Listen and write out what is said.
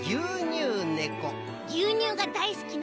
ぎゅうにゅうがだいすきな